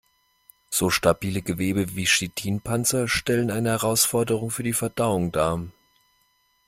So stabile Gewebe wie Chitinpanzer stellen eine Herausforderung für die Verdauung dar.